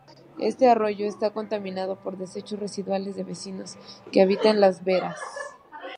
Este arroyo esta contaminado por desechos residuales de vecinos que habitan las veras.